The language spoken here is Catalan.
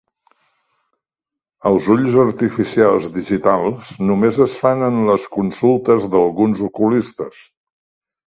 Els ulls artificials digitals només es fan en les consultes d'alguns oculistes.